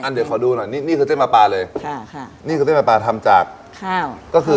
อันเดี๋ยวขอดูหน่อยนี่คือเส้นปลาปลาเลย